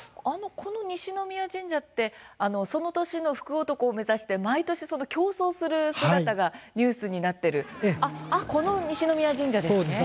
この西宮神社ってその年の「福男」を目指して毎年、競争する姿がニュースになっているこの西宮神社ですね。